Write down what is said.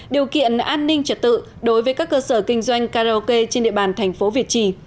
điều kiện an ninh trật tự đối với các cơ sở kinh doanh karaoke trên địa bàn thành phố việt trì